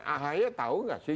ahy tau gak sih